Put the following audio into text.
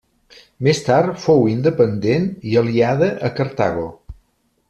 Més tard, fou independent i aliada a Cartago.